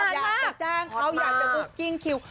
อยากจะแจ้งเขาอยากจะบุ๊กกิ้งคิว